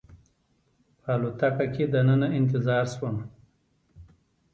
په الوتکه کې دننه انتظار شوم.